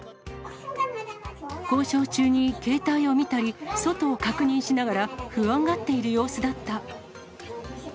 交渉中に携帯を見たり、外を確認しながら不安がっている様子だった。